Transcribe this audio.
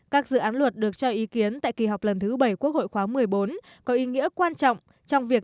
các dự án luật được cho ý kiến tại kỳ họp lần thứ bảy quốc hội khóa một mươi bốn có ý nghĩa quan trọng trong việc